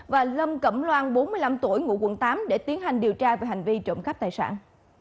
và lâm cẩm loan bốn mươi năm tuổi ngụ quận tám để tiến hành điều tra về hành vi trộm cắp tài sản